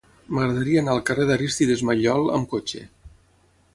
M'agradaria anar al carrer d'Arístides Maillol amb cotxe.